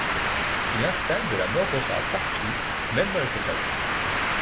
Il installe de la mort au rats partout, même dans les cacahouètes.